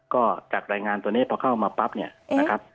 ก็จากรายงานตัวนี้พอเข้ามาปั๊บเนี่ยนะครับ